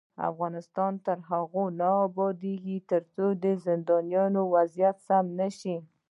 افغانستان تر هغو نه ابادیږي، ترڅو د زندانونو وضعیت سم نشي.